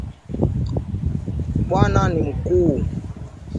Bwana ni mkuu